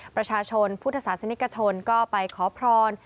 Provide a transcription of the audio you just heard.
ประชาชนพุทธศาสนิกชนก็ไปขอพร